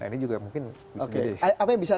nah ini juga mungkin bisa jadi